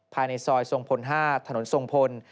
ภายในซอยทรงพล๕ถนนทรงพล